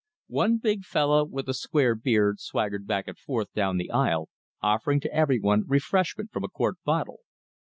One big fellow with a square beard swaggered back and forth down the aisle offering to everyone refreshment from a quart bottle.